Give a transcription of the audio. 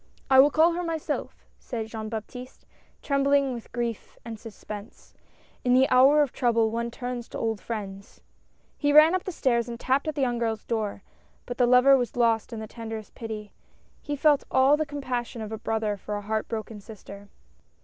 "I will call her, myself," said Jean Baptiste, tremb ling with grief and suspense. " In the hour of trouble one turns to old friends !" He ran up the stairs and tapped at the young girl's door — but the lover was lost in the tenderest pity — he felt all the compassion of a brother for a heart broken sister.